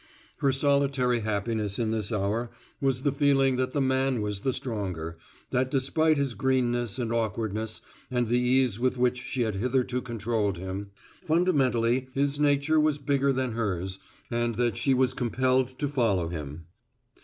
Her solitary happiness in this hour was the feeling that the man was the stronger, that despite his greenness and awkwardness and the ease with which she had hitherto controlled him, fundamentally his nature was bigger than hers and that she was compelled to follow him.